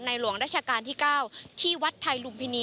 นายหลวงรัชกาลที่๙ที่วัดท้ายลุมพินี